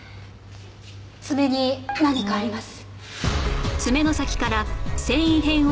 爪に何かあります。